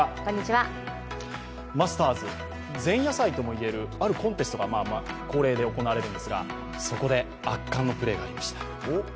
マスターズ、前夜祭とも言えるあるコンテストが恒例で行われるんですがそこで圧巻のプレーがありました。